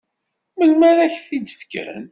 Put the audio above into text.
Melmi ara ak-t-id-fken?